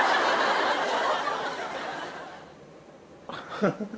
ハハハハ。